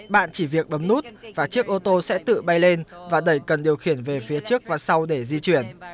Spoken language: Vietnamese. bạn chỉ việc bấm nút và chiếc ô tô sẽ tự bay lên và đẩy cần điều khiển về phía trước và sau để di chuyển